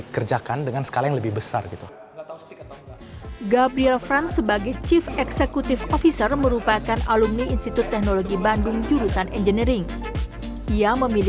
melalui penetrasi teknologi digital